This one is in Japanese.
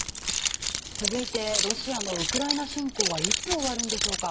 続いてロシアのウクライナ侵攻はいつ終わるんでしょうか。